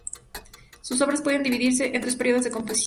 Sus obras pueden dividirse en tres períodos de composición.